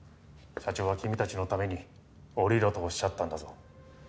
社長は君たちのために降りろとおっしゃったんだぞ。